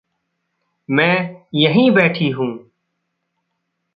मैं यहीं बैठी हूँ।